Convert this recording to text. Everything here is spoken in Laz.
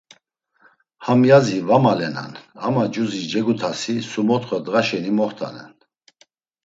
Ham yazi va malenan ama cuzi cegutasi sumotxo ndğa şeni moxt̆anen.